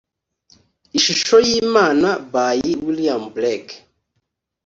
"ishusho y'imana" by william blake